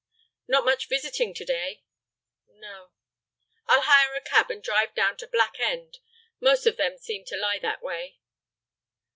"Not much visiting to day." "No." "I'll hire a cab, and drive down to Black End. Most of them seem to lie that way."